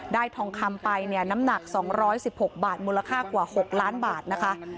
ทองคำไปเนี่ยน้ำหนัก๒๑๖บาทมูลค่ากว่า๖ล้านบาทนะคะ